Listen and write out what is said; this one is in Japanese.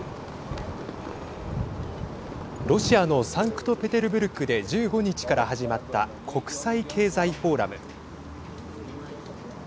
ロシアのサンクトペテルブルクで１５日から始まった国際経済フォーラム。